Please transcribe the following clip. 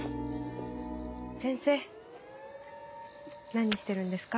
先生何してるんですか？